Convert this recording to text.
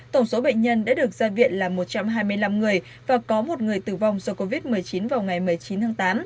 tổng số bệnh nhân đã được ra viện là một trăm hai mươi năm người và có một người tử vong do covid một mươi chín vào ngày một mươi chín tháng tám